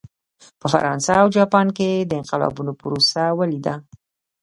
په فرانسه او جاپان کې د انقلابونو پروسه ولیده.